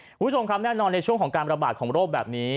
คุณผู้ชมครับแน่นอนในช่วงของการระบาดของโรคแบบนี้